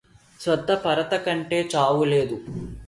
స్వార్థపరతకంటె చావులేదు